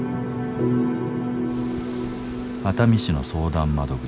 熱海市の相談窓口。